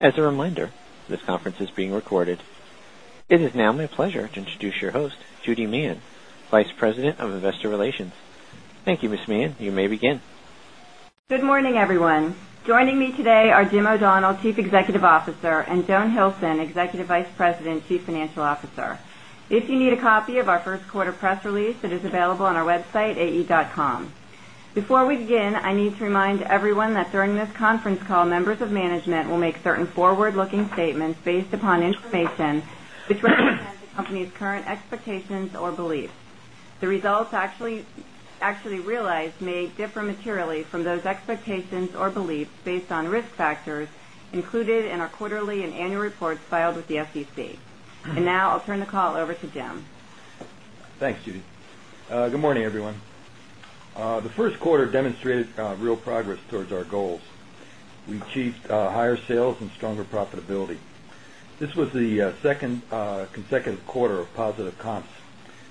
As a reminder, this conference is being recorded. It is now my pleasure to introduce your host, Judy Meehan, Vice President of Investor Relations. Thank you, Ms. Meehan. You may begin. Good morning, everyone. Joining me today are Jim O'Donnell, Chief Executive Officer and Joan Hilson, Vice President, Chief Financial Officer. If you need a copy of our Q1 press release, it is available on our website ae.com. Before we begin, I need to remind everyone that during this conference call, members of management will make certain forward looking statements based upon information information, which represent the company's current expectations or beliefs. The results actually realized may differ materially from those expectations or beliefs based on risk factors included in our quarterly and annual reports filed with the SEC. And now I'll turn the call over to Jim. Thanks, Judy. Good morning, everyone. The Q1 demonstrated real progress towards our goals. We achieved higher sales and stronger profitability. This was the 2nd consecutive quarter of We achieved higher sales and stronger profitability. This was the 2nd consecutive quarter of positive comps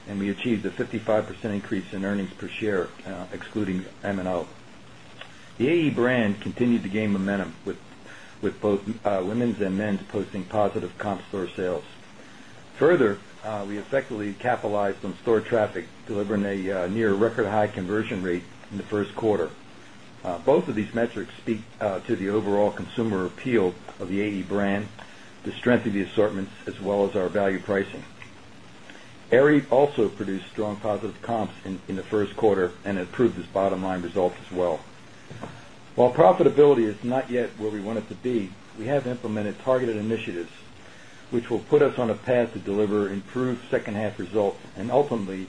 and we achieved a 55% increase in earnings per share excluding M and O. The AE brand continued to gain momentum with both women's and men's posting comp store sales. Further, we effectively capitalized on store traffic delivering a near record high conversion rate in the Q1. Both of these metrics speak to the overall consumer of the Aidy brand, the strength of the assortments as well as our value pricing. Aerie also produced strong positive comps in the Q1 and improved its bottom line results as well. While profitability is not yet where we want it to be, we have implemented targeted initiatives this bottom line results as well. While profitability is not yet where we want it to be, we have implemented targeted initiatives, which will put us on a path to deliver improved second half results and ultimately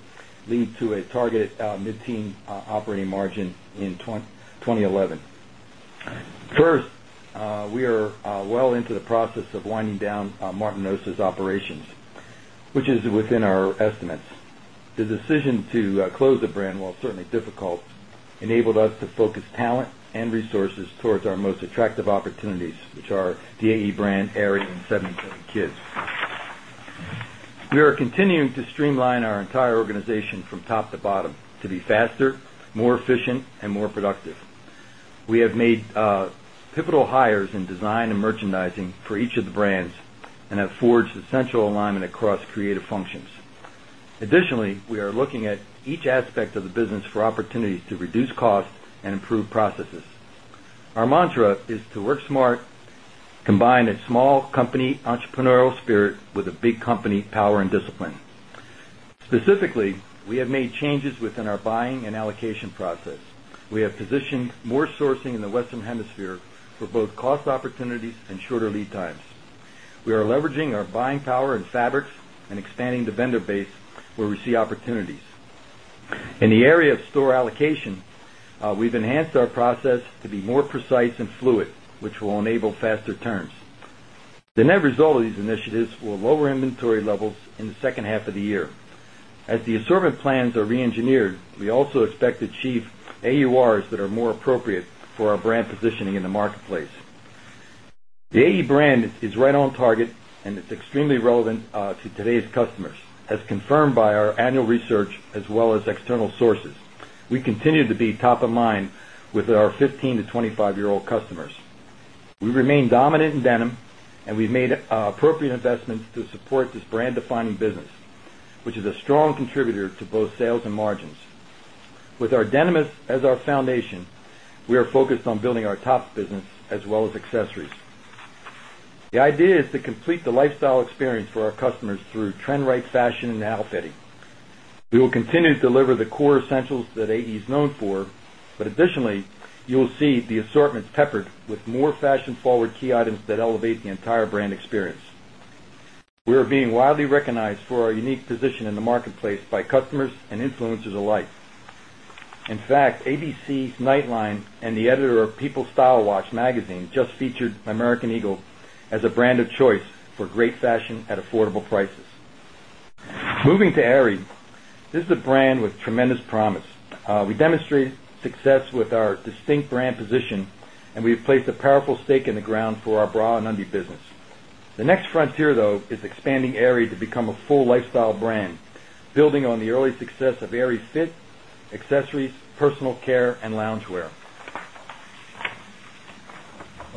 lead to a targeted mid margin in 2011. First, we are well into the process of winding down Martinos' operations, which is within our estimates. The decision to close the brand while certainly difficult enabled us to focus talent and resources towards our most attractive opportunities, which are DAE brand, Aerie and 70,000,000 Kids. We are continuing to streamline our entire organization from top to bottom to be faster, more efficient and more productive. We have made pivotal hires in design and merchandising for each of the brands and have forged essential alignment across creative functions. Additionally, we are looking at each aspect of the business for opportunities to reduce costs and improve processes. Our mantra is to work smart, combine a small company entrepreneurial spirit with a big company power and discipline. Specifically, we have made changes within our buying and allocation process. We have positioned more sourcing in the Western Hemisphere for both cost opportunities and shorter lead times. We are leveraging our buying power in fabrics and expanding the vendor base where we see opportunities. In the area of store allocation, we've enhanced our process to be more precise and fluid, which will enable faster turns. The net result of these initiatives will lower inventory levels in the second half of the year. As the assortment plans are reengineered, we also expect to achieve AURs that are more appropriate for our brand positioning in the marketplace. The AE brand is right on target and it's extremely relevant to today's customers as confirmed by our annual research as well as external sources. We continue to be top of mind with our 15 to 25 year old customers. We remain dominant in denim and we've made appropriate investments to support this brand defining business, which is a strong contributor to both sales and margins. With our denim as our foundation, we are focused on building our tops business as well as accessories. The idea is to complete the lifestyle experience for our customers through trend right fashion and alfetti. We will continue to deliver the core essentials that AE is known for, but additionally, you will see the assortments peppered with more fashion forward key items that elevate the entire brand experience. We are being widely recognized for our unique position in the marketplace by customers and influencers alike. In fact, ABC's Nightline and the editor of People's Style Watch Magazine just featured American Eagle as a brand of choice for great fashion at affordable prices. Moving to Aerie, this is a brand with tremendous promise. We demonstrated success with our distinct brand position and we've placed a powerful stake in the ground for our bra and undie business. The next frontier though is expanding Aerie to become a full lifestyle brand, building on the early success of Aerie's fit, accessories, personal care and loungewear.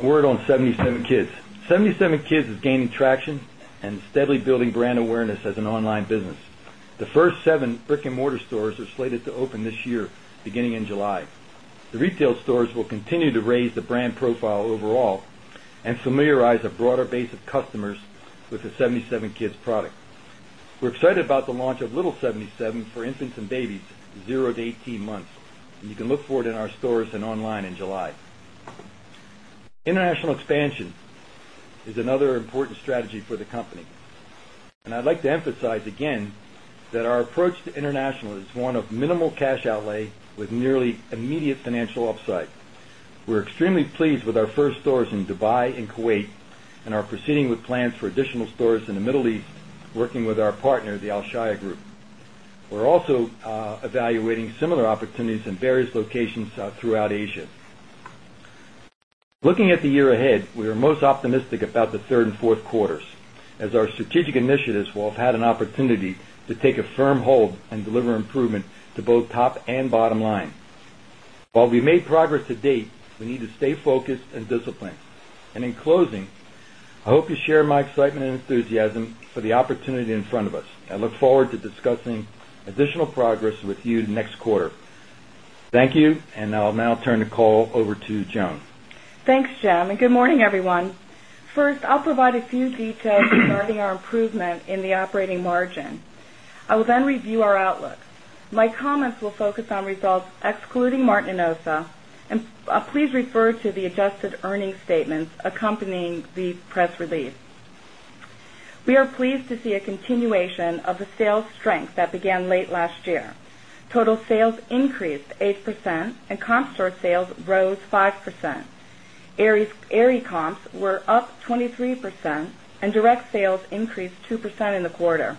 A word on 77 Kids. 77 Kids is gaining traction and steadily building brand awareness as an online business. The first seven brick and mortar stores are slated to open this year beginning in July. The retail stores will continue to raise the brand profile overall and familiarize 77 Kids product. We're excited about the launch of Little 77 for infants and babies 0 to 18 months. And you can look for it in our stores and online in July. International International expansion is another important strategy for the company. And I'd like to emphasize again that our approach to international is one of minimal cash outlay with nearly immediate financial upside. We're extremely pleased with our first stores in Dubai and Kuwait and are proceeding with plans for additional stores in the Middle East, working with our partner, the Al Shire Group. We're also evaluating similar opportunities in various locations throughout Asia. Looking at the year ahead, we are most optimistic about the 3rd and 4th quarters as our strategic initiatives will have had an opportunity to take a firm hold and deliver improvement to both top and bottom line. We made progress to date, we need to stay focused and disciplined. And in closing, I hope you share my excitement and enthusiasm for the opportunity in front of us. I look forward to discussing additional progress with you next quarter. Thank you. And I'll now turn the call over to Joan. Thanks, Jim, and good morning, everyone. First, I'll provide a few details regarding our improvement in the operating margin. I will then review our outlook. My comments will focus on results excluding Martin Enosa and please refer to the adjusted earnings statements accompanying the press release. We are pleased the press release. We are pleased to see a continuation of the sales strength that began late last year. Total sales increased 8% and comp store sales rose 5%. Aerie comps were up 23% and direct sales increased 2% in quarter.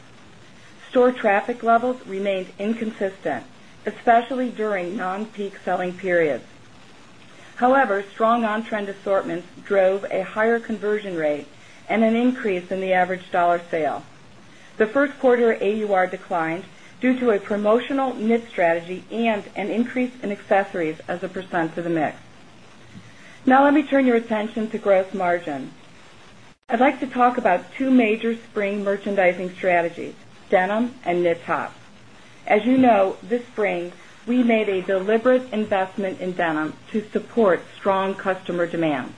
Store traffic levels remained inconsistent, especially during non peak selling periods. However, strong on trend assortments drove a higher conversion rate and an increase in the average dollar sale. The 1st quarter AUR declined due to a promotional knit strategy and an increase in accessories as a percent of the mix. Now let me turn your attention to gross margin. I'd like to talk about 2 major spring merchandising strategies, denim and knit tops. As you know, this spring, we made a deliberate investment in denim to support strong customer demand.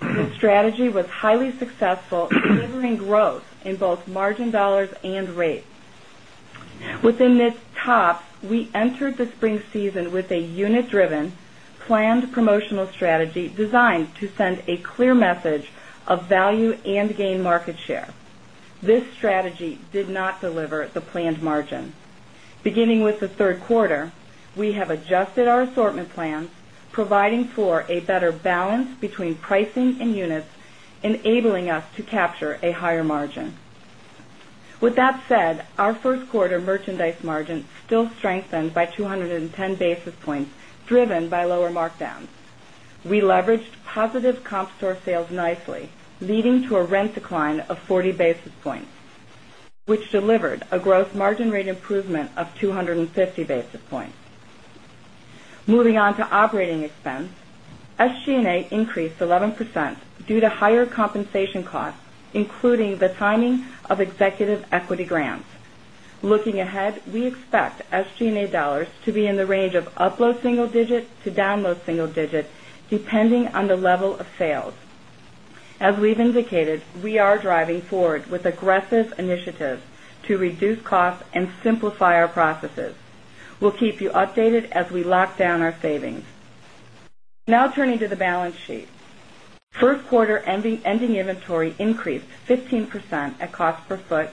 This strategy was highly successful delivering growth in both margin dollars and rate. Within this top, we entered the spring season with a unit driven planned promotional strategy designed to send a clear message of value and gain market share. This strategy did not deliver the planned margin. Beginning with the Q3, we have adjusted our assortment plans providing for a better balance between pricing and units enabling us to capture a higher margin. With that said, our Q1 merchandise margin still strengthened by 2 10 basis points driven by lower markdowns. We leveraged positive comp store sales nicely leading to a rent a rent decline of 40 basis points, which delivered a gross margin rate improvement of 2 50 basis points. Moving on to operating expense. SG and A increased 11% due to higher compensation costs including the timing of executive equity grants. Looking ahead, we expect SG and A dollars to be in the range of up low single digit to down low single digit depending on the level of sales. As we've indicated, we are driving forward with aggressive initiatives to reduce costs and simplify our processes. We'll keep you updated as we lock down our savings. Now turning to the balance sheet. 1st quarter ending inventory increased 15% at cost per foot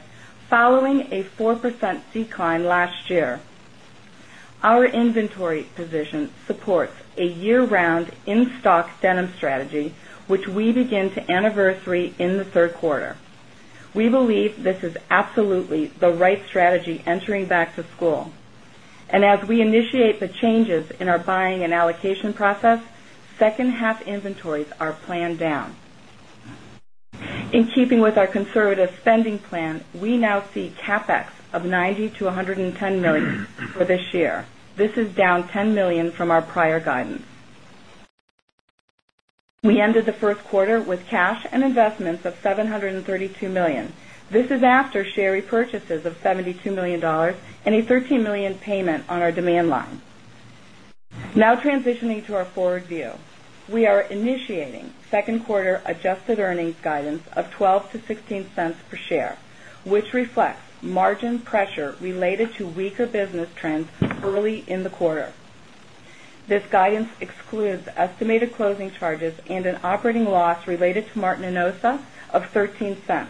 following a 4% decline last year. Our inventory position supports a year round in stock denim strategy, which we begin to anniversary in the Q3. We believe this is absolutely the right strategy entering back to school. And as we initiate the changes in our buying and allocation process, second half inventories are planned down. In keeping with our conservative spending plan, we now see CapEx of $90,000,000 to $110,000,000 for this year. This is down $10,000,000 from our prior guidance. We ended the Q1 with cash and investments of $732,000,000 This is after share repurchases of $72,000,000 and a $13,000,000 payment on our demand line. Now $2 to 0 point early in the quarter. This guidance excludes estimated closing charges and an operating loss related to Martin Enosa of $0.13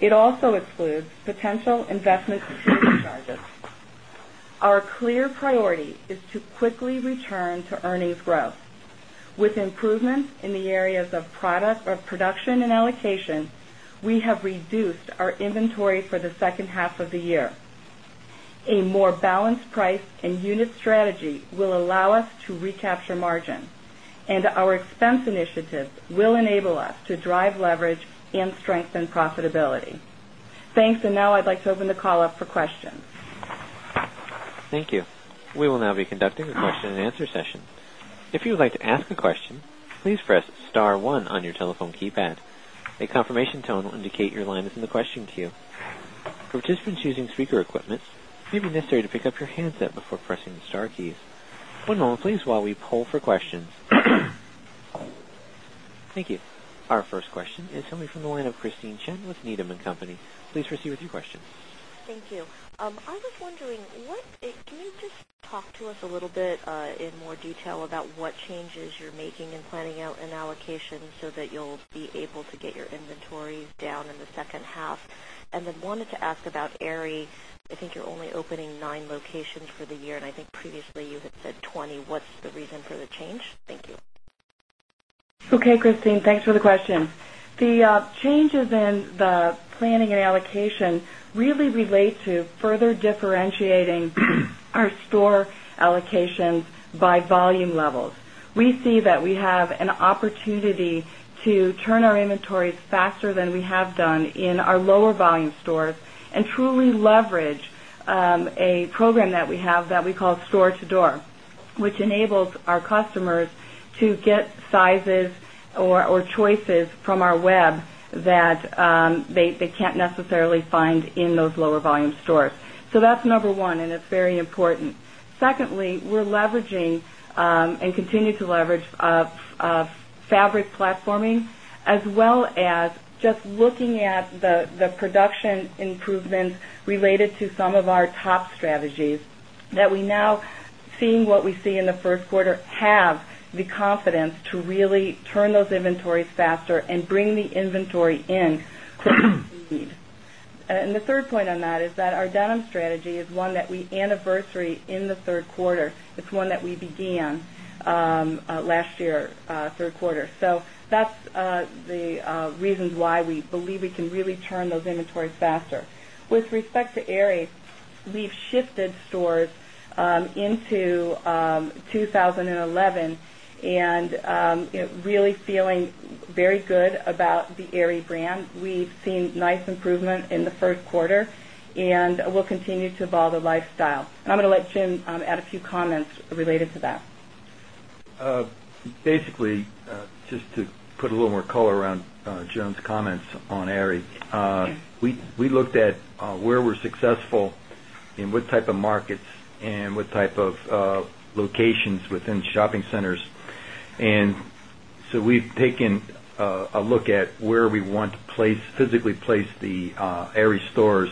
It also excludes potential investment charges. Our clear priority is to quickly return to earnings growth. With improvements in the areas of product or production and allocation, we have reduced our inventory for the second half of the year. A more balanced price and unit strategy will allow us to recapture margin. And our expense initiatives will enable us to drive leverage and strengthen Thank you. Our first question is coming from the line of Christine Chen with Needham and Company. Please proceed with your question. Thank you. I was wondering what can you just talk to us a little bit in more detail about what changes you're making in planning out an allocation so that you'll be able to get your inventories down in the second half? And then wanted to ask about Aerie. I think you're only opening 9 locations for the year and I think previously you had said 20. What's the reason for the change? Thank you. Okay, Christine. Thanks for the question. The changes in the planning and allocation really relate to further differentiating our store allocations by volume levels. We see that we have an opportunity to turn our inventories faster than we have done in our lower volume stores and truly leverage a program that we have that we call store to door, which enables our customers to get sizes or choices from our web that they can't necessarily find in those lower volume stores. So that's number 1 and it's very important. Secondly, we're leveraging and continue to leverage fabric platforming as well as just looking at the production improvements related to some of our top strategies that we now seeing what we see in the Q1 have third point on that is that our denim strategy is one that we anniversary in the Q3. It's one that we began last year Q3. So that's the reasons why we believe we can really turn those inventories faster. With respect to Aerie, we've shifted stores into 2011 and really feeling very good about the Aerie brand. We've seen nice improvement in the Q3 and we'll continue to evolve the lifestyle. And I'm going to let Jim add a few comments related to that. Basically, just to put a little more color around Joan's comments on Aerie. We looked at where we're successful in what type of markets and what type of locations within shopping centers. And so we've taken a look at where we want to place physically place the Aerie stores.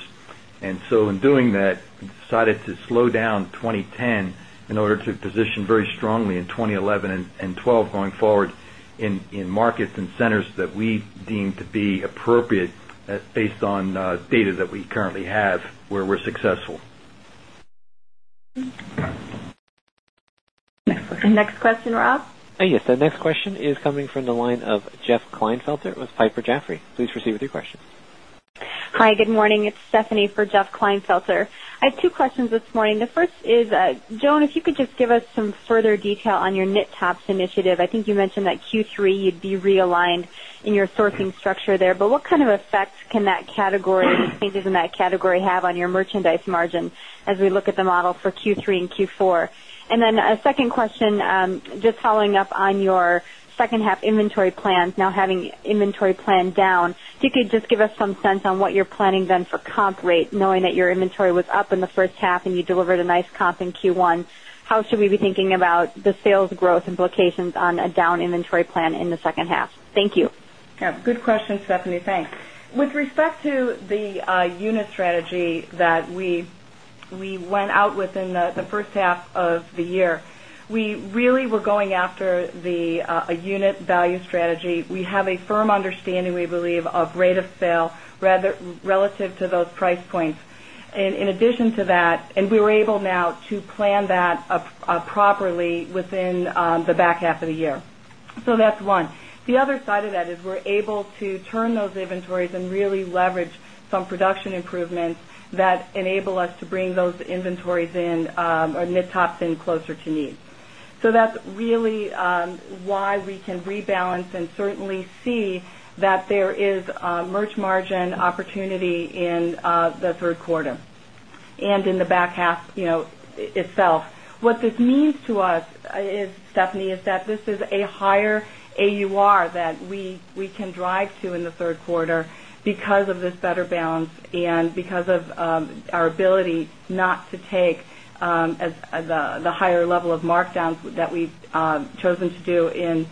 And so in doing that, we decided to slow down 20 10 in order to position very strongly in 2011 and 2012 going forward in markets and centers that we deem to be appropriate based on data that we currently have where we're successful. Next question Rob? Yes. The next question is coming from the line of Jeff Kleinfelter with Piper Jaffray. Please proceed with your question. Hi, good morning. It's Stephanie for Jeff Kleinfelter. I have two questions this morning. The first is, Joan, if you could just give us some further detail on your knit tops initiative. I think you mentioned that Q3 you'd be realigned in your sourcing structure there. But what kind of effect can that category changes in that category have on your merchandise margin as we look at the model for Q3 and Q4? And then a second question, just following up on your second half inventory plans now having inventory plan down. If you could just give us some sense on what you're planning then for comp rate knowing that your inventory was up in the first half and you delivered a nice comp in Q1. How should we be thinking about the sales growth implications on a down inventory plan in the second half? Thank you. Yes. Good question, Stephanie. Thanks. With respect to the unit strategy that we rate of sale relative to those price points. And in addition to that, and we were able now to plan that properly within the back half of the year. So that's one. The other side of that is we're able to turn those inventories and really leverage some production improvements that enable us to bring those inventories in or mid tops in closer to need. So that's really why we can rebalance and certainly see that there is a merch margin opportunity in the Q3 and in the back half itself. What this means to us is Stephanie is that this is a higher AUR that we can drive to in the Q3 because of this better balance and because of our ability not to take the higher level of markdowns that we've chosen to do in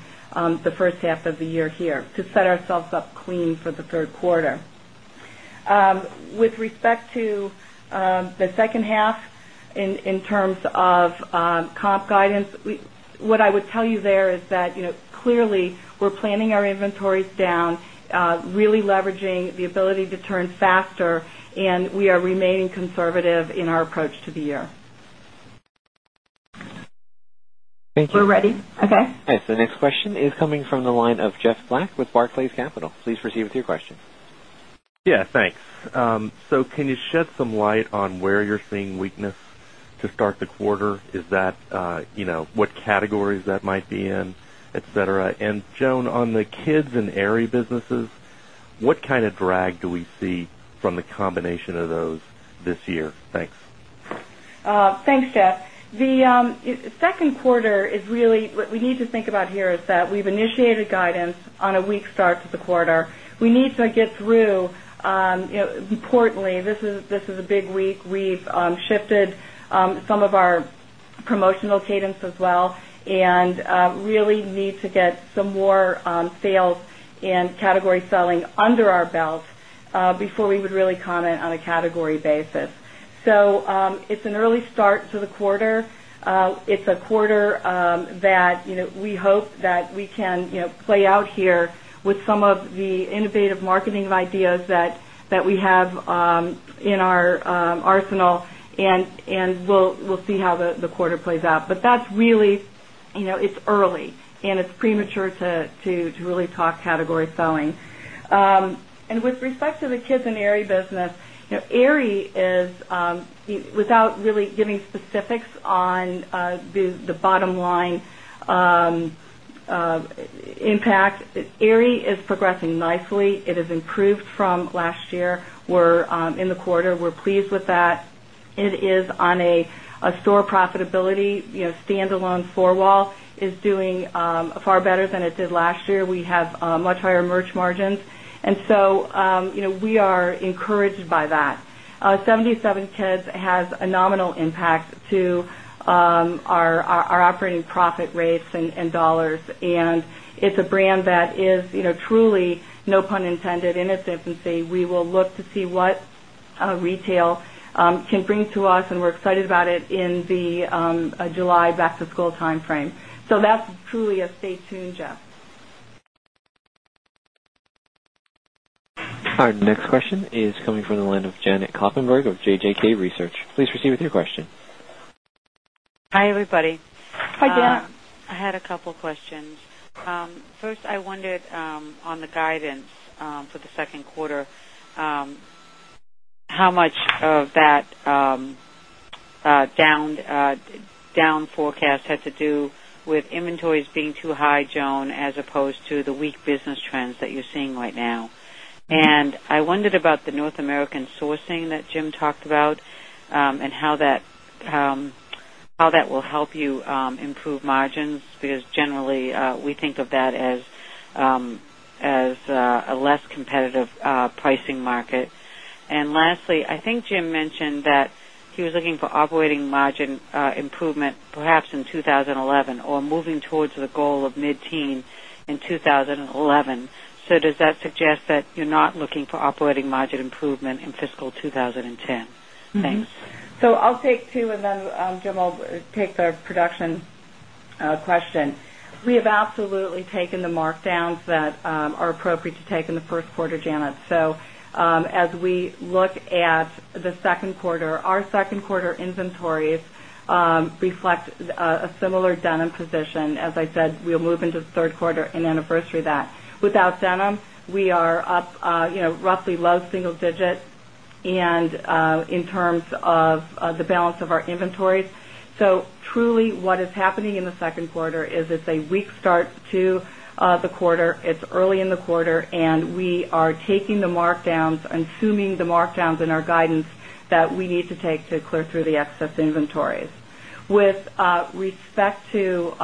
the first half of the year here to set ourselves up clean for the Q3. With respect to the second half in terms of comp guidance, what I would tell you there is that clearly we're planning our inventories down, really leveraging the ability to turn faster and we are remaining conservative in our approach to the year. Thank you. We're ready. Okay. The next question is coming from the line of Jeff Black with Barclays Capital. Please proceed with your question. Yes, thanks. So can you shed some light on where you're seeing weakness to start the quarter? Is that what categories that might be in, etcetera? And Joan, on the kids and Aerie businesses, what kind of drag do we see from the combination of those this year? Thanks. Thanks, Jeff. The second quarter is really what we need to think about here is that we've initiated guidance on a weak start to the quarter. We need to get through, a weak start to the quarter. We need to get through importantly, this is a big week. We've shifted some of our promotional cadence as well and really need to get some more sales and category selling under our belt before we would really comment on a category basis. So it's an early start to the quarter. It's a quarter that we hope that we can play out here with some of the innovative marketing ideas that we have in our arsenal and we'll see how the quarter plays out. But that's really it's early and it's premature to really talk category selling. And with respect to the kids and Aerie business, Aerie is without really giving specifics on the bottom line impact Aerie is progressing nicely. It has improved from last year. We're in the quarter. We're pleased with that. It is on a store profitability. Standalone four wall is doing far better than it did last year. We have much higher merch margins. And so, we are encouraged by that. 77 Kids has a nominal impact to our operating profit rates and dollars. And it's a brand that is truly, no pun intended in its infancy. We will look to see what retail can bring to us and we're excited about it in the July back to school timeframe. So that's truly a stay tuned Jeff. Our next question is coming from the line of Janet Kloppenburg of JJK Research. Please proceed with your question. Hi everybody. Hi, Janet. I had a couple of questions. First, I wondered on the guidance for the Q2, how much of that down forecast had to do with inventories being too high, Joan, as opposed to the weak business trends that you're seeing right now? And I wondered about the North American sourcing that Jim talked about and how that will help you improve margins because generally we think of that as a less competitive pricing market? And lastly, I think Jim mentioned that he was looking for operating margin improvement perhaps in 2011 or moving towards the goal of mid teen in 2011. So does that suggest that you're not looking for operating margin improvement in fiscal 2010? Thanks. So I'll take 2 and then Jim will take the production question. We have absolutely taken the markdowns that are appropriate to take in the Q1, Janet. So as we look at the Q2, our Q2 inventories reflect a similar denim position. As I said, we'll move into the Q3 and anniversary that. Without denim, we are up roughly low single digit and in terms of the balance of our inventories. So truly what is happening in the Q2 is it's a weak start to the quarter. It's early in the quarter and we are taking the markdowns and assuming the markdowns in our guidance that we need to take to clear through the excess inventories. With respect to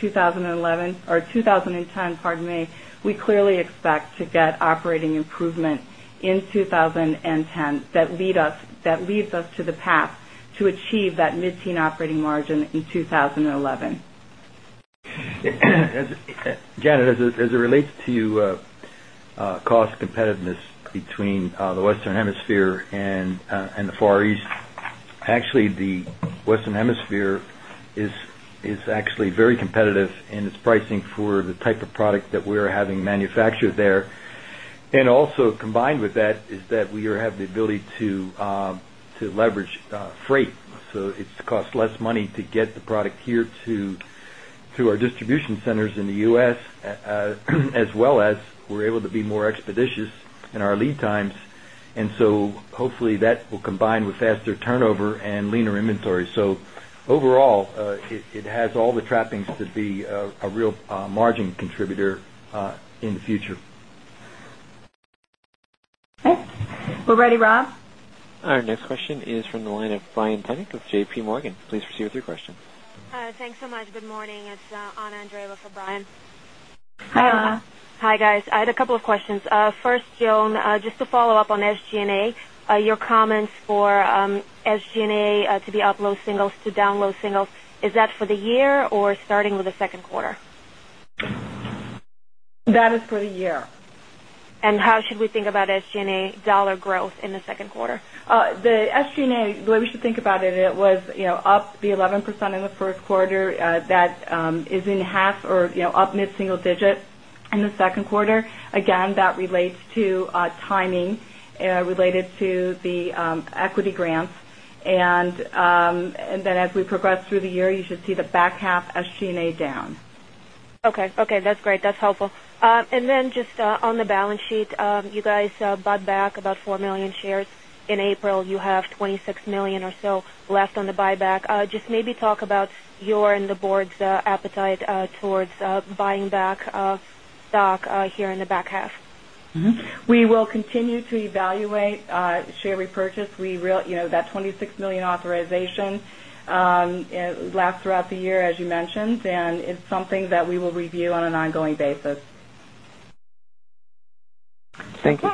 2011 or 2010, pardon me, we clearly expect to get operating improvement in 2010 that lead us that leads us to the path to achieve that mid teen operating margin in 2011. Janet, as it relates to cost competitiveness between the Western Hemisphere and the Far East. Actually, the Western Hemisphere is actually very competitive and its pricing for the type of product that we are having manufactured there. And also combined with that is that we have the ability to leverage freight. So it costs less money to get the product here to our distribution centers in the U. S. As well as we're able to be more expeditious in our lead times. And so hopefully that will combine with faster turnover and leaner inventory. So overall, it has all the trappings to be a real margin contributor in the future. We're ready, Rob. Our next question is from the line of Brian Tanjik with JPMorgan. Please proceed with your question. Thanks so much. Good morning. It's Anna Andreeva for Brian. Hi, Anna. Hi, guys. I had a couple of questions. First, Joan, just to follow-up on SG and A. Your comments for SG and A to be up low singles to down low singles, is that for the year or starting with the Q2? That is for the year. And how should we think about SG and A dollar growth in the Q2? The SG and A, the way we should think about it, it was up the 11% in the Q1 that is in half or up mid single digit in the second quarter. Again, that relates to timing related to the relates to timing related to the equity grants. And then as we progress through the year, you should see the back half SG and A down. Okay. Okay. That's great. That's helpful. And then just on the balance sheet, you guys bought back about 4,000,000 shares in April. You have 26,000,000 or so left on the buyback. Just maybe talk about your and the Board's appetite towards buying back stock here in the back half? We will continue to evaluate share repurchase. We that $26,000,000 authorization lasts throughout the year as you mentioned and it's something that we will review on an ongoing basis. Thank you.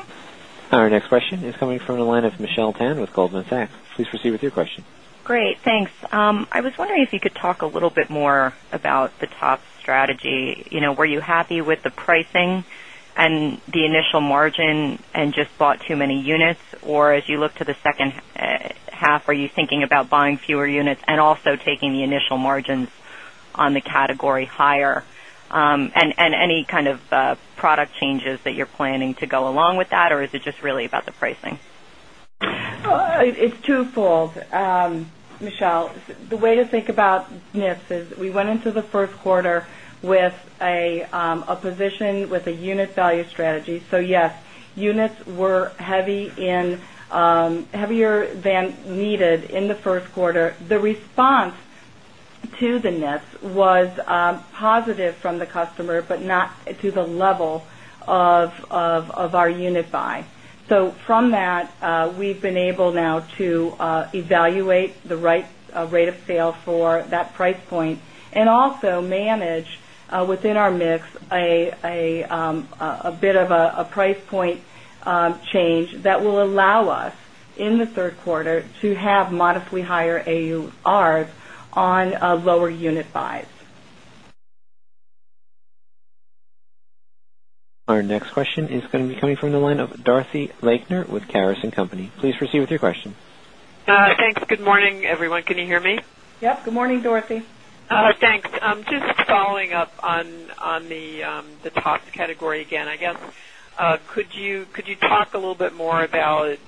Our next question is coming from the line of Michelle Tan with Goldman Sachs. Please proceed with your question. Great. Thanks. I was wondering if you could talk a little bit more about the TOP strategy. Were you happy with the pricing and the initial margin and just bought too many units? Or as you look to the second half, are you thinking about buying fewer units and also taking the initial margins on the category higher? And any kind of product changes that you're planning to go along with that? Or is it just really about the pricing? It's 2 folds, Michelle. The way to think about NIPS is we went into the Q1 with a position with a unit value strategy. So yes, units were heavy in heavier than needed in the Q1. The response to the NIF was positive from the customer, but not to the level of our unit buy. So from that, we've been able now to evaluate the right rate of sale for that price point and also manage within our mix a bit of a price point change that will allow us in the Q3 to have modestly higher AURs on lower unit buys. Our next question is going to be coming from the line of Dorothy Lichtner with Karas and Company. Please proceed with your question. Thanks. Good morning, everyone. Can you hear me? Yes. Good morning, Dorothy. Thanks. Just following up on the top category again. I guess, could you talk a little bit more about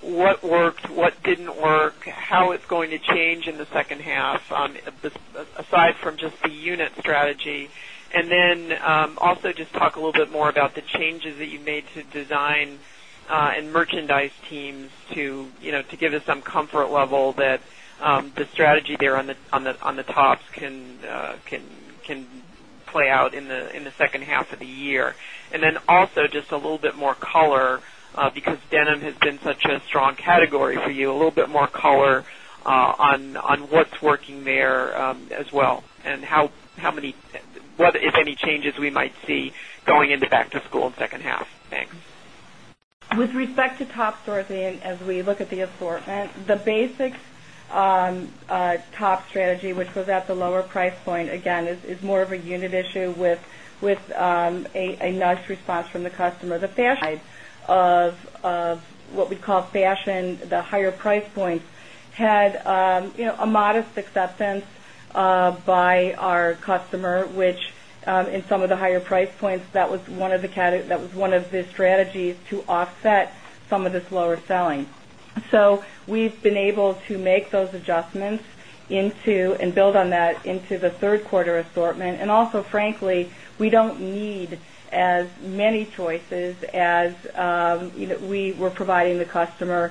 what worked, what didn't work, how it's going to change in the second half aside from just the unit strategy? And then also just talk a little bit more about the changes that you've made to design and merchandise teams to give us some comfort level that the strategy there on the tops can play out in the second half of the year? And then also just a little bit more color because denim has been such a strong category for you, a little bit more color on what's working there as well and how many if any changes we might see going into back to school in second half? Thanks. With respect to top stores, Ian, as we look at the assortment, the basic top a modest acceptance by our customer, which in some of the higher price points that was one of the strategies to offset some of this lower selling. So we've been able to make those adjustments into and build on that into the 3rd quarter assortment. And also frankly, we don't need as many choices as we were also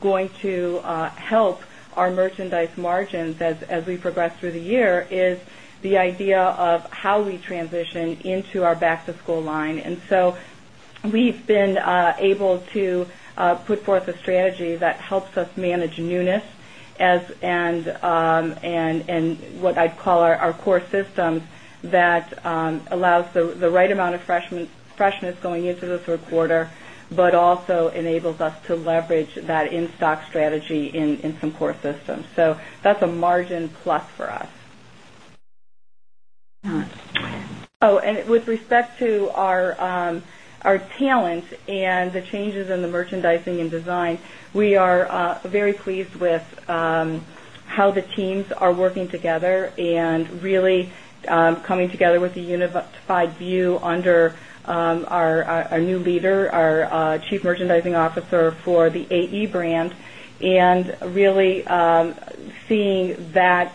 going also going to help our merchandise margins as we progress through the year is the idea of how we transition into our back to school line. And so we've been able to put forth a strategy that helps us manage newness as and what I'd call our core systems that allows the right amount of freshness going into the 3rd quarter, but also enables us to our talent and the changes in the merchandising and design, we are very pleased with how the teams are working together and really coming together with a unified view under our new leader, our Chief Merchandising Officer for the AE brand and really seeing that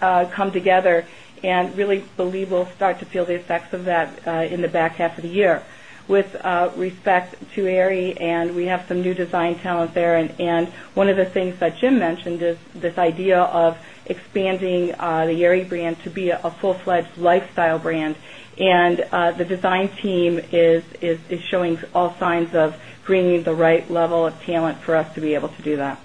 come together and really believe we'll start to feel the effects of that in the back half of the year. With respect to Aerie and we have some new design talent there and one of the things that Jim mentioned is this idea of expanding the Aerie brand to be a full fledged lifestyle brand. And the design team is showing all signs of bringing the right level of talent for us to be able to do that.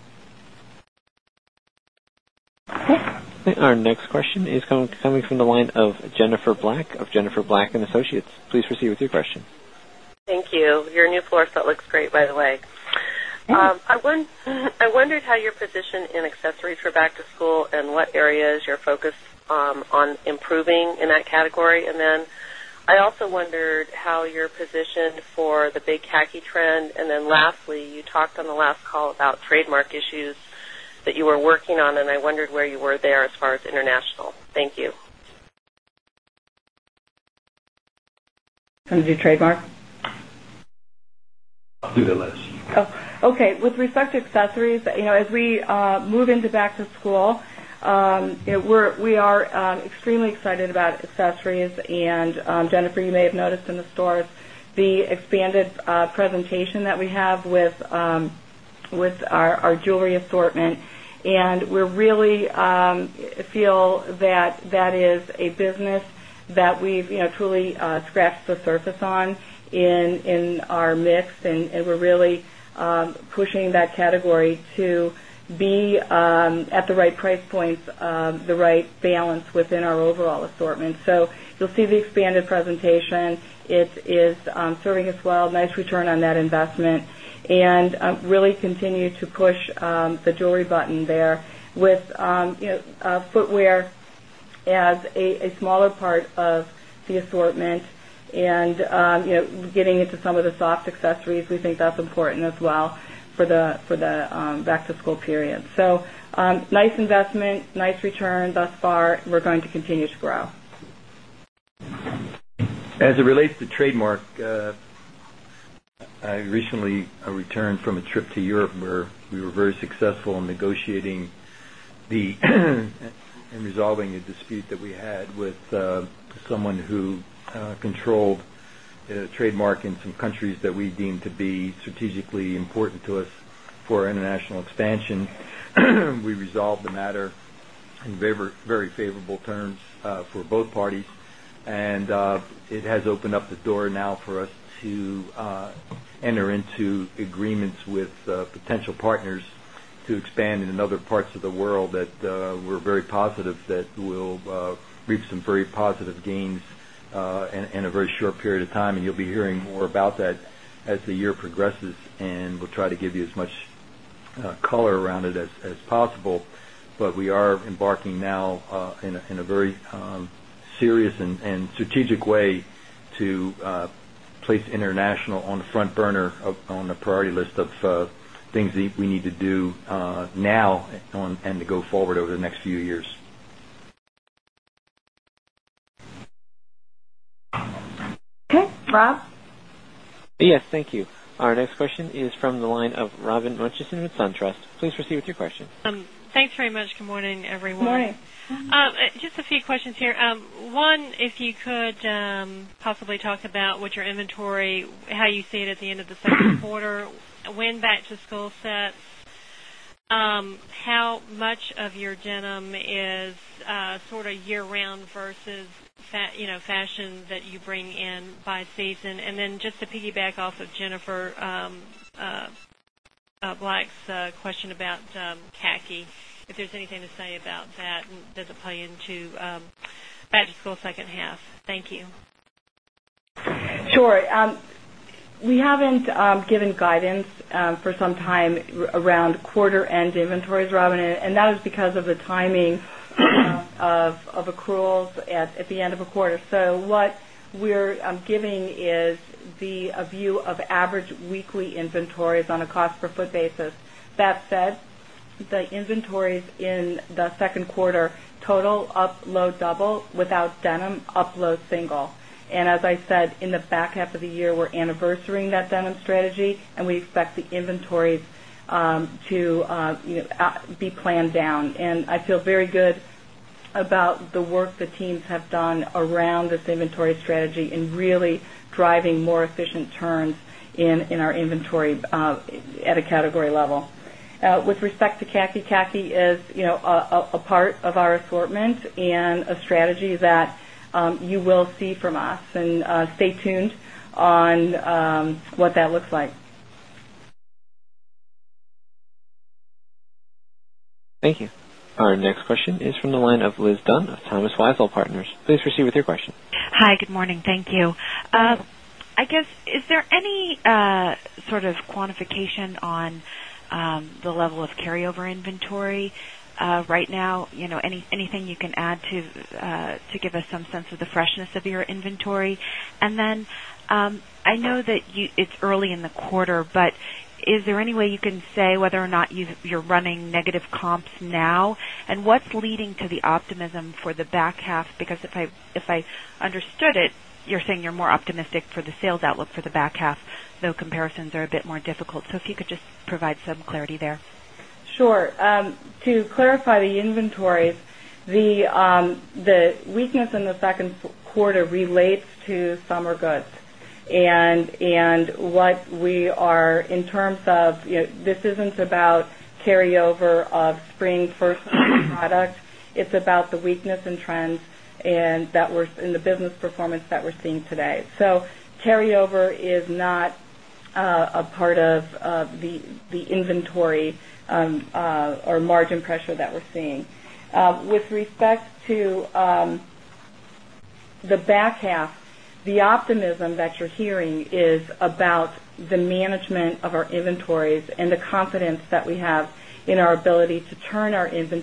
Our next question is coming from the line of Jennifer Black of Black and Associates. Please proceed with your question. Thank you. Your new floor set looks great by the way. I wondered how you're positioned in accessories for back to school and what areas you're focused on improving in that category? And then I also wondered how you're positioned for the big khaki trend? And then lastly, you talked on the last call about trademark issues that you were working on and I wondered where you were there as far as international? Thank you. And do you trademark? I'll do that Liz. Okay. With respect to accessories, as we move into back to school, we are extremely excited about accessories. And Jennifer, you may have noticed in the stores, the expanded presentation that we have with our jewelry assortment. And we really feel that that is a business that we've truly scratched the surface on in our mix. And we're really pushing that category to be at the right price points, the right balance in our overall assortment. So you'll see the expanded presentation. It is serving us well, nice return on that investment and really continue to push the jewelry button there with footwear as a smaller part of the assortment and getting into some of the soft accessories, we think that's important as well for the back to school period. So nice investment, nice return thus far. We're going to continue to grow. As it relates to trademark, I recently returned from a trip to Europe where we were very successful in negotiating the in resolving the in resolving a dispute that we had with someone who controlled trademark in some countries that we deemed to be strategically important to us for international expansion. We resolved the matter in very favorable terms for both parties. And it has opened up the door now for us to enter into agreements with potential partners to expand in other parts of the that we're very positive that will reap some very positive gains in a very short period of time. And you'll be hearing more about that as the year progresses and we'll try to give you as much color around it as possible. But we are embarking now in a very serious and strategic way to place international on the front burner on the priority list of things that we need to do now and to go forward over the next few years. Okay. Rob? Yes. Thank you. Our next question is from the line of Robin Muncheson with SunTrust. Please proceed with your question. Thanks very much. Good morning, everyone. Good morning. Just a few questions here. One, if you could possibly talk about what your inventory, how you see it at the end of the second quarter? When back to school sets, how much of your denim is sort of year round versus fashion that you bring in by season? And then just to piggyback off of Jennifer Black's question about khaki, if there's anything to say about that and does it play into Badger School second half? Thank you. Sure. We haven't given guidance for some time around quarter end inventories Robin and that was because of the timing of accruals at the end of a quarter. So what we're giving is the view of average weekly inventories on a cost per foot basis. That said, the inventories in the Q2 total up low double without denim up low single. And as I said in the back half of the year, we're anniversarying that strategy and we expect the inventories to be planned down. And I feel very good about the work the teams have done around this inventory strategy and really driving more efficient turns in our inventory at a category level. With respect to KAKI, KAKI is a part of our assortment and a strategy that you will see from us and stay tuned on what that looks like. Thank you. Our next question is from the line of Liz Dunn of Thomas Weisel Partners. Please proceed with your question. Hi, good morning. Thank you. I guess, is there any sort of quantification on the level of carryover inventory right now? Anything you can add to give us some sense of the freshness of your inventory? And then, I know that it's early in the quarter, but is there any way you can say whether or not you're running negative comps now? And what's leading to the optimism for the back half? Because if I understood it, you're saying you're more optimistic for the sales outlook for the back half, though comparisons are a bit more difficult. So if you could just provide some clarity there? Sure. To clarify the inventories, the weakness in the Q2 relates to summer goods. And what we are in terms of this isn't about carryover of spring first product. Product. It's about the weakness in trends and that we're in the business performance that we're seeing today. So carryover is not a part of the inventory or margin pressure that we're seeing. With respect to the back half, the optimism that you're hearing is about the management of our inventories and the confidence that we have in our ability to turn our position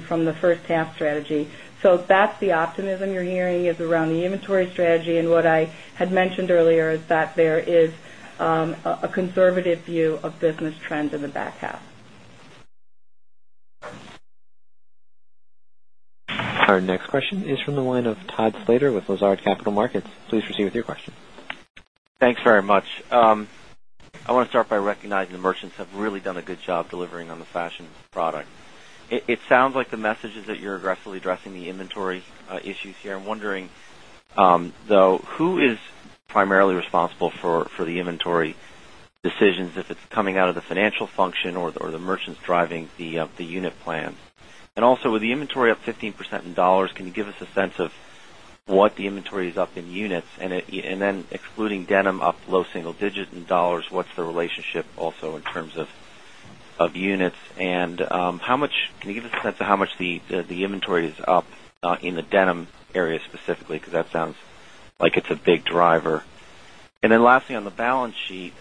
from the first half strategy. So that's the optimism you're hearing is around the inventory strategy. And what I had mentioned earlier is that there is a conservative view of business trends in the back half. Our next question is from the line of Todd Slater with Lazard Capital Markets. Please proceed with your question. Thanks very much. I want to start by recognizing the merchants have really done a good job delivering on the fashion product. It sounds like the message is that you're aggressively addressing the inventory issues here. I'm wondering, though, who is primarily responsible for the inventory decisions, if it's coming out of the financial function or the merchants driving the unit plans? And also with the inventory up 15% in dollars, can you give us a sense of what the inventory is up in units? And then excluding denim up low single digit in dollars, what's the relationship also in terms of units? And how much can you give us a sense of how much the inventory is up in the denim area specifically, because that sounds like it's a big driver? And then lastly on the balance sheet,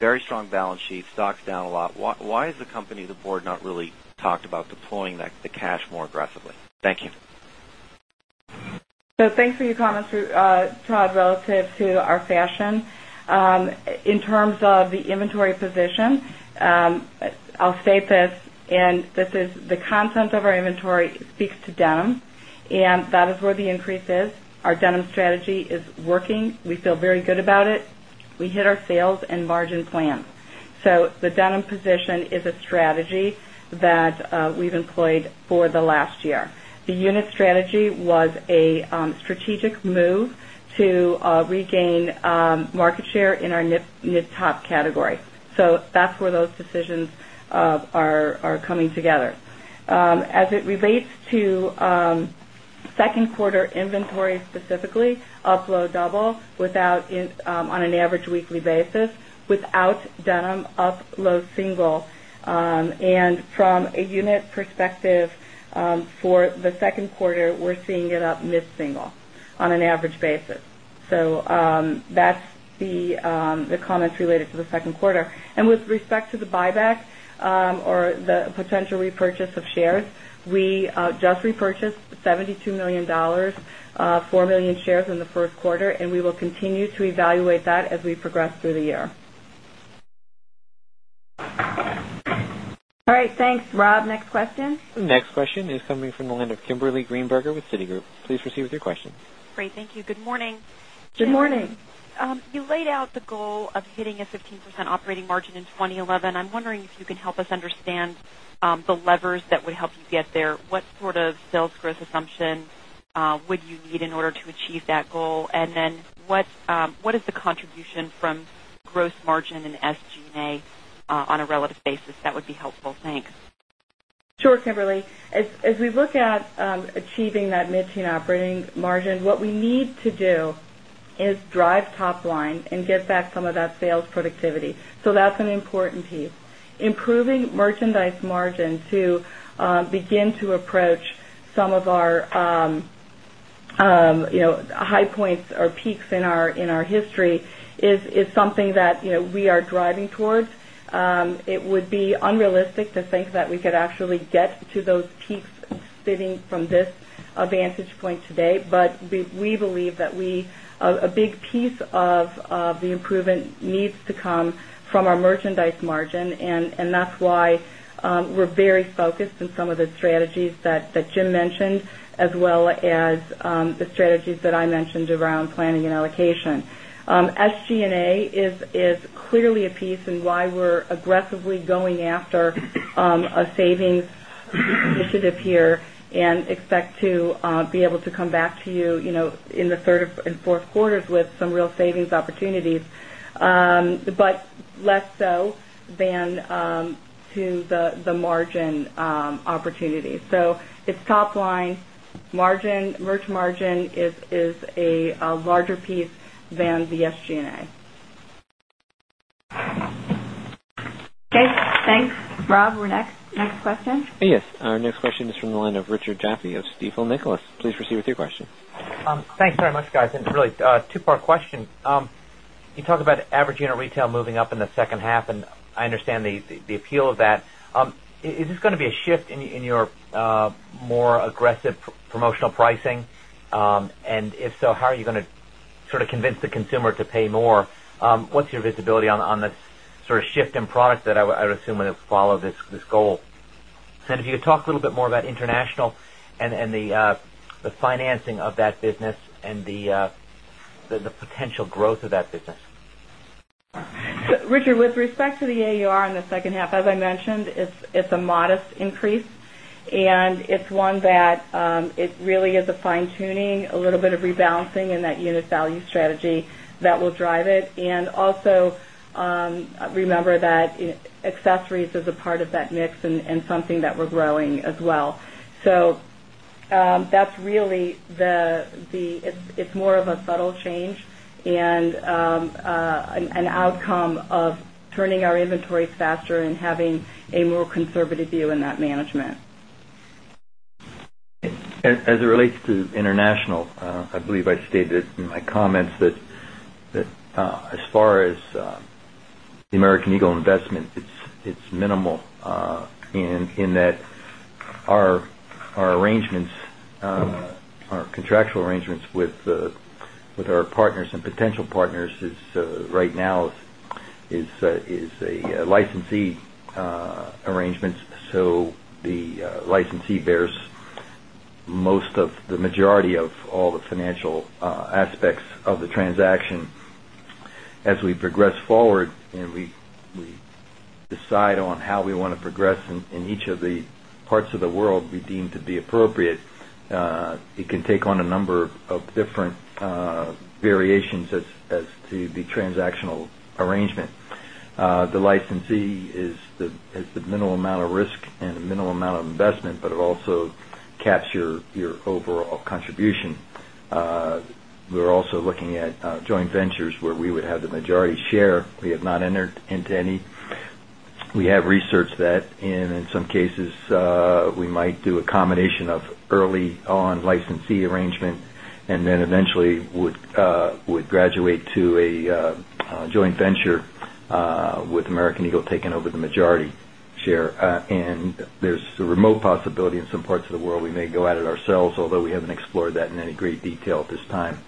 very strong balance sheet, stocks down a lot. Why is the company, the Board not really talked about deploying the cash more aggressively? Thank you. So thanks for your comments, Todd, relative to our fashion. In terms of the inventory position, I'll state this and this is the content of our inventory speaks to denim and that is where the increase is. Our denim strategy is working. We feel very good about it. We hit our sales and margin plan. So the denim position is a strategy that we've employed for the last year. The unit strategy was a strategic move to regain market share in our nip top category. So that's where those decisions are coming together. As it relates to 2nd quarter inventory specifically up low double without on an average weekly basis without denim up low single. And from a unit perspective for the Q2, we're seeing it up mid single on an average basis. So that's the comments related to the Q2. And with respect to the buyback or the potential repurchase of shares, we just repurchased $72,000,000 4,000,000 shares in the Q1 and we will continue to evaluate that as we progress through the year. All right. Thanks, Rob. Next question. The next question is coming from the line of Kimberly Greenberger with Citigroup. Please proceed with your question. Great. Thank you. Good morning. Good morning. You laid out the goal of hitting a 15% operating margin in 2011. I'm wondering if you can help us understand the levers that would help you get there. What sort of sales growth assumption would you need in order to achieve that goal? And then what is the contribution from gross margin and SG and A on a relative basis? That would be helpful. Thanks. Sure, Kimberly. As we look at achieving that mid teen operating margin, what we need to do is drive top line and get back some of that sales productivity. So that's an important piece. Improving merchandise margin to begin to approach some of our high points or peaks in our history is something that we are driving towards. It would be unrealistic to think that we could actually get to those peaks sitting from this vantage point today. But we believe that we a big piece of the improvement needs to come from our merchandise margin. And that's why we're very focused in some of the strategies that Jim mentioned as well as the strategies that I mentioned around planning and allocation. SG and A is clearly a piece and why we're aggressively going after a savings initiative here and expect to be able to come back to you in the 3rd and 4th quarters with some real savings opportunities, but less so than to the margin opportunity. So it's top line margin, merch margin is a larger piece than the SG and A. Okay. Thanks. Rob, we're next question. Yes. Our next question is from the line of Richard Jaffe of Stifel Nicolaus. Please proceed with your question. Thanks very much guys. And really 2 part question. You talked about average unit retail moving up in the second half and I understand the appeal of that. Is this going to be a shift in your more aggressive promotional pricing? And if so, how are you going to sort of convince the consumer to pay more? What's your visibility on this sort of shift in product that I would assume will follow this goal? And if you could talk a little bit more about international and the financing of that business and the potential growth of that business? Richard, with respect to the AUR in the second half, as I mentioned, it's a modest increase. And it's one that it really is a fine tuning, a little bit of rebalancing in that unit value strategy that will drive it. And also remember that accessories is a part of that mix and something that we're growing as well. So that's really the it's more of a subtle change and an outcome of turning our inventories faster and having a more conservative view in that management. As it relates to international, I believe I stated in my comments that as far as the American Eagle investment, it's minimal in that our arrangements, our contractual arrangements with our partners and potential partners is right now is a licensee arrangements. So the licensee bears most of the majority of all the financial aspects of the transaction. As we progress forward and we decide on how we want to progress in each of the parts of the world we deem to be appropriate, it can take on a number of different variations as to the transactional arrangement. The licensee is the minimal amount of risk and the minimal amount of investment, but it also capture your overall contribution. We're also looking at joint ventures where we would have the majority share. We have not entered into any. We have researched that and in some cases we might do a combination of early on licensee arrangement and then eventually would graduate to a joint venture with American Eagle taking over the majority share. And there's a remote possibility in some parts of the world we may go at it ourselves, although we haven't explored that in any great detail at this time.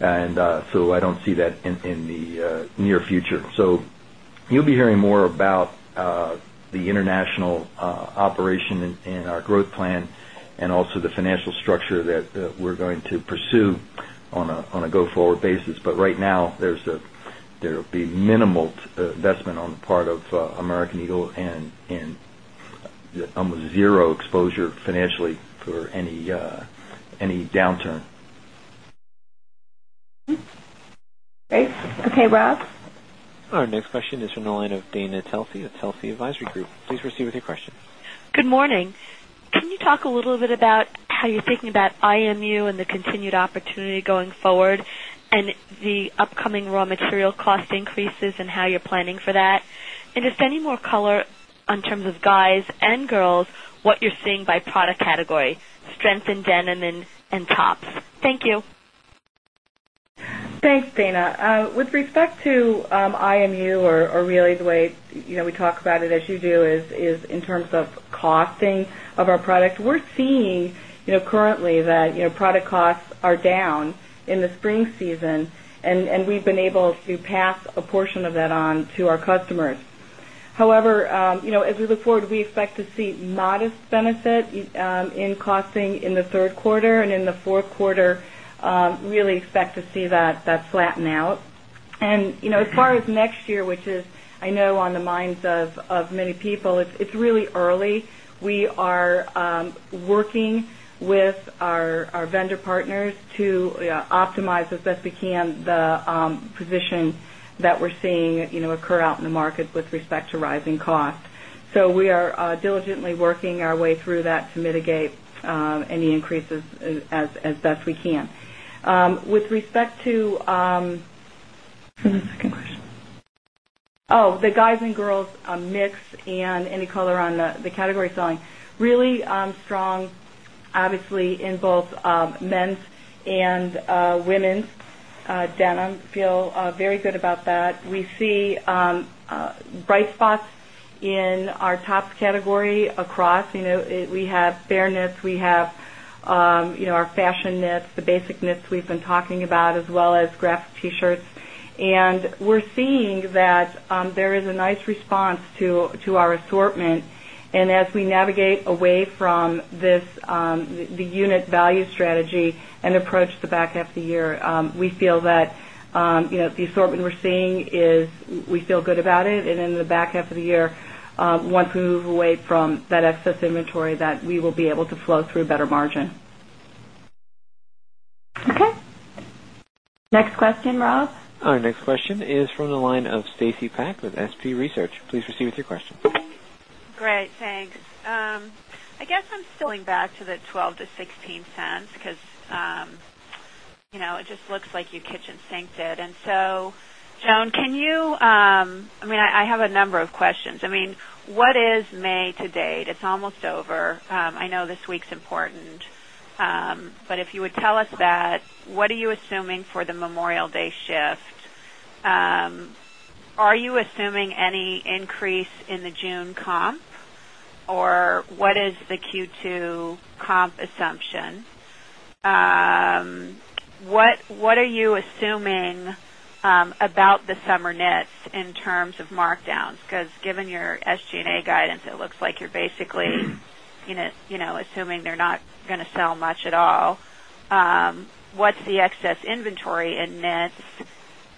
And so I don't see that in the near future. So you'll be hearing more about the international operation and our growth plan and also the financial structure that we're going to pursue on a go forward basis. But right now there's a there will be minimal investment on the part of American Eagle and almost zero exposure financially for any downturn. Okay. Okay, Rob. Our next question is from the line of Dana Telsey with Telsey Advisory Group. Please proceed with your question. Good morning. Can you talk a little bit about how you're thinking about IMU and the continued opportunity going forward and the upcoming raw material cost increases and how you're planning for that? And just any more color in terms of guys and girls, what you're seeing by product category strength in denim and tops? Thank you. Thanks, Dana. With respect to IMU or really the way we talk about it as you do is in terms of costing of our product. We're seeing currently that product costs are down in the spring season and we've been able to pass a portion of that on to our customers. However, as we look forward, we expect to see modest benefit in costing in the Q3 and in the Q4, really expect to see that flatten out. And as far as next which is I know on the minds of many people, it's really early. We are working with our vendor partners to optimize as best we can the position that we're seeing occur out in the market with respect to rising cost. So we are diligently working our way through that to mitigate any increases as best we can. With respect to what's the second question? The guys and girls mix and any color on the category selling, really strong, obviously in both men's and women's denim, feel very good about that. We see bright spots in our top category across. We have fairness, we have our fashion knits, the basic knits we've been talking about as well as graphic T shirts. And we're seeing that there is a nice response to our assortment. And as we navigate away from this, the unit value strategy and approach the back half of the year, we feel that the assortment we're seeing is we feel good about it. And in the back half of the year, once we move away from that excess inventory that we will be able to flow through better margin. Okay. Next question, Rob? Our next question is from the line of Stacy Peck with SP Research. Please proceed with your question. Great. Thanks. I guess I'm going back to the $0.12 to $0.16 because it just looks like your kitchen sinked it. And so Joan, can you I mean, I have a number of questions. I mean, what is May to date? It's almost over. I know this week's important. But if you would tell us that, what are you assuming for the Memorial Day shift? Are you assuming any increase in the June comp? Or what is the Q2 comp assumption? What are you assuming about the summer nets in terms of markdowns? Because given your SG and A guidance, it looks like you're basically assuming they're not going to sell much at all. What's the excess inventory in knits?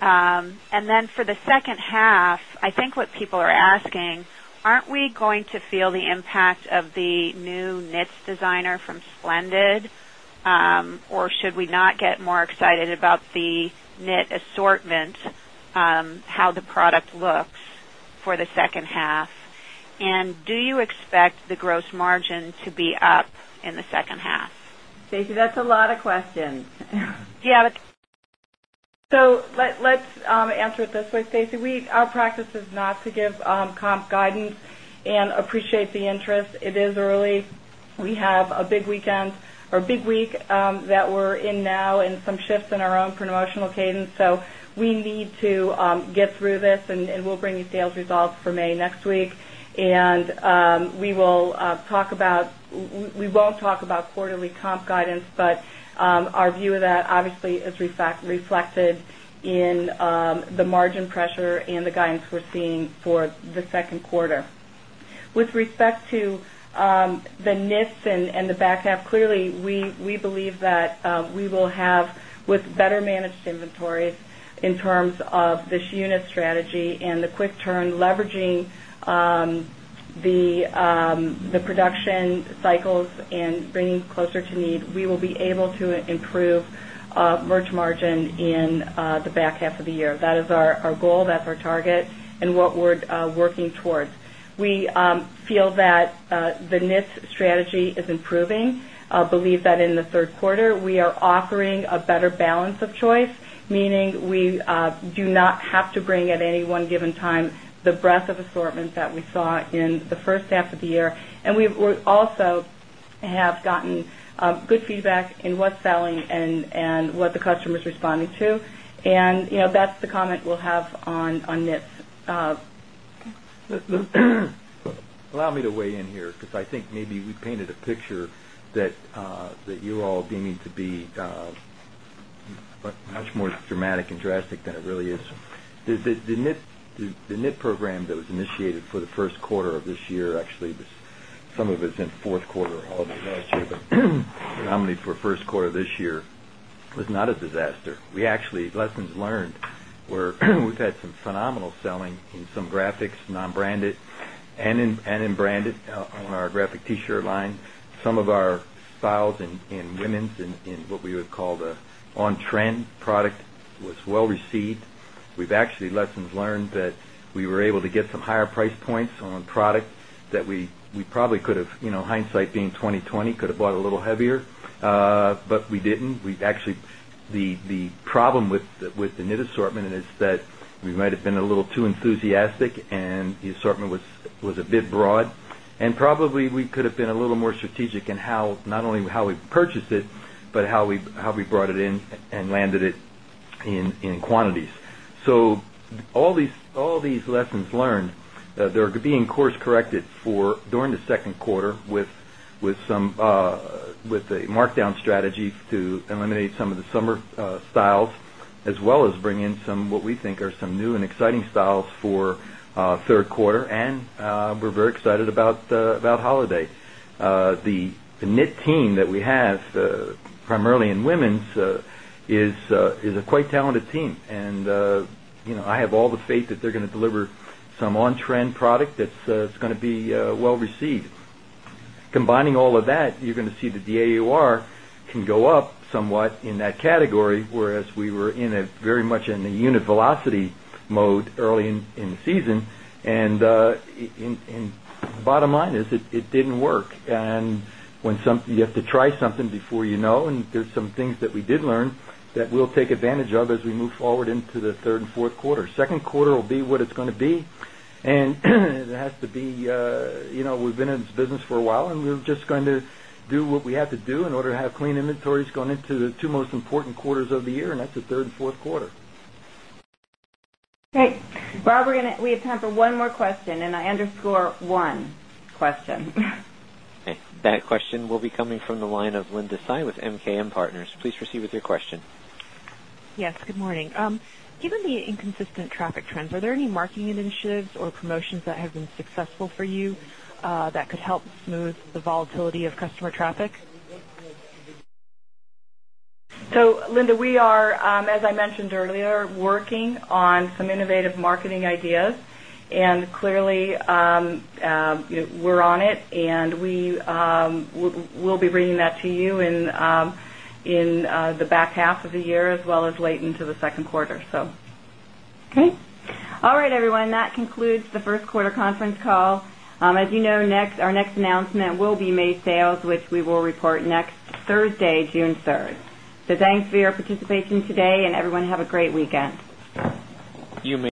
And then for the second half, I think what people are asking, aren't we going to feel the impact of the new knits designer from Splendid? Or should we not get more excited about the knit assortment, how the product looks for the second half? And do you expect the gross margin to be up in the second half? Stacy, that's a lot of questions. Yes. So let's answer it this way Stacy. We our practice is not to give comp guidance and appreciate the interest. It is early. We have a big weekend or big week that we're in now and some shifts in our own promotional cadence. So we need to get through this and we'll bring you sales results for May next week. And we won't talk about quarterly comp guidance, but our view of that obviously is reflected in the margin pressure and the guidance we're seeing for the Q2. With respect to the mix and the back half, clearly, we believe that we will have with better managed inventories in terms of this unit strategy and the quick turn leveraging the production cycles and bringing closer to need, we will be able to improve merch margin in the back half of the year. That is our goal, that's our target and what we're working towards. We feel that the niche strategy is improving. I believe that in the Q3, we are offering a better balance of choice, meaning we do not have to bring at any one given time the breadth of assortment that we saw in the first half of the year. And we also have gotten good feedback in what's selling and what the customer is responding to. And that's the comment we'll have on this. This. Allow me to weigh in here, because I think maybe we painted a picture that you're all deeming to be much more dramatic and drastic than it really is. The knit program that was initiated for the Q1 of this year actually was some of it's in Q4 all over last year, but the nominee for Q1 this year was not a disaster. We actually lessons learned were we've had some phenomenal selling in some graphics, non branded and in branded on our graphic T shirt line. Some of our styles in women's in what we would call the on trend product was well received. We've actually lessons learned that we were able to get some higher price points on product that we probably could have hindsight being 20.20 could have bought a little heavier, but we didn't. We've actually the problem with the knit assortment is that we might have been a little too enthusiastic and the assortment was a bit broad. And probably we could have been a little more strategic in how not only how we purchased it, but how we brought it in and landed it in quantities. So all these lessons learned, they're being course corrected for during the Q2 with some with the markdown strategy to eliminate some of the summer styles as well as bring in some what we think are some new and exciting styles for Q3 and we're very excited about holiday. The knit team that we have primarily in women's is a quite talented team. And I have all the faith that they're going to deliver some on trend product that's going to be that's going to be well received. Combining all of that, you're going to see that the AUR can go up somewhat in that category, whereas we were in a very much in the unit velocity mode early in the season. And bottom line is that, the season. And bottom line is it didn't work. And when some you have to try something before you know and there's some things that we did learn that we'll take advantage of as we move forward into the 3rd Q4. Q2 will be what it's going to be. And it has to be we've been in this business for a while and we're just going to do what we have to do in order to have clean inventories going into the 2 most important quarters of the year and that's the 3rd Q4. Okay. Bob, we're going to we have time for one more question and I underscore one question. Okay. That question will be coming from the line of Linda Tsai with MKM Partners. Please proceed with your question. Yes. Good morning. Given the Given the inconsistent traffic trends, are there any marketing initiatives or promotions that have been successful for you that could help smooth the volatility of customer traffic? So Linda, we are, as I mentioned earlier, working on some innovative marketing ideas. And clearly, we're on it and we will be bringing that to you in the back half of the year as well as late into the second quarter. So, okay. All right, everyone. That concludes the Q1 conference call. As you know, our next announcement will be made sales, which we will report next Thursday, June 3. So thanks for your participation today and everyone have a great weekend. You may